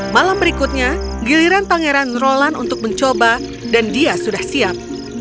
malam berikutnya giliran pangeran roland untuk mencoba dan dia sudah siap